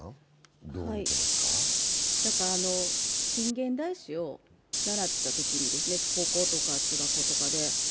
近現代史を習ったときに、高校とか中学校とかで。